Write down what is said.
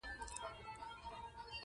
دا ټولي جملې نه دي .